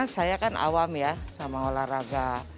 saya kan awam ya sama olahraga